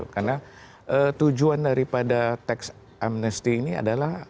karena tujuan daripada teks amnesti ini adalah